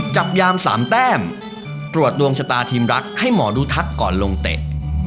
จับยามสามแต้มตรวจดวงชะตาทีมรักให้หมอดูทักก่อนลงเตะ